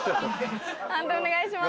判定お願いします。